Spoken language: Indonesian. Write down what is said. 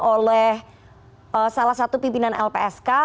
oleh salah satu pimpinan lpsk